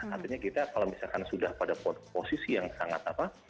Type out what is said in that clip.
artinya kita kalau misalkan sudah pada posisi yang sangat apa